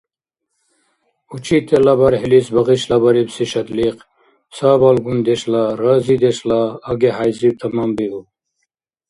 Учителла БархӀилис багъишлабарибси шадлихъ цабалгундешла, разидешла аги-хӀяйзиб таманбиуб.